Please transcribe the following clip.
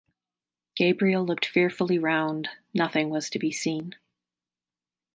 Gabriel looked fearfully round — nothing was to be seen.